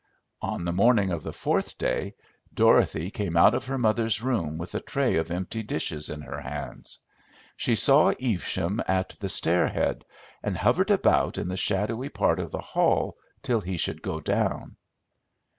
On the morning of the fourth day, Dorothy came out of her mother's room with a tray of empty dishes in her hands. She saw Evesham at the stair head and hovered about in the shadowy part of the hall till he should go down.